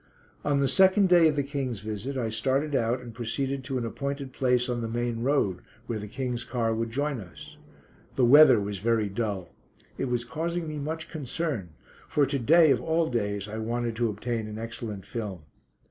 On the second day of the King's visit I started out and proceeded to an appointed place on the main road, where the King's car would join us. The weather was very dull. It was causing me much concern, for to day of all days I wanted to obtain an excellent film.